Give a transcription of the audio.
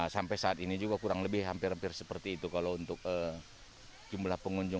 sampai saat ini juga kurang lebih hampir hampir seperti itu kalau untuk jumlah pengunjung